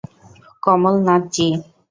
কমল নাথ জী?